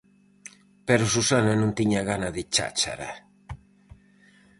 Pero Susana non tiña gana de cháchara.